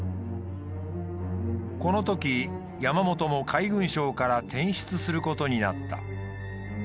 このとき山本も海軍省から転出することになった。